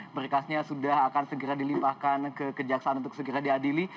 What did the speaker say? berkasnya sudah akan segera dilimpahkan ke kejaksaan untuk segera diadili